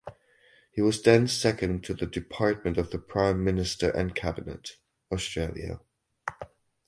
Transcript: He was then seconded to the Department of the Prime Minister and Cabinet (Australia).